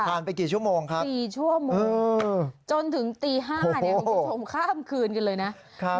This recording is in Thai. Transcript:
ค่ะสี่ชั่วโมงจนถึงตี๕คุณผู้ชมข้ามคืนกันเลยนะค่ะ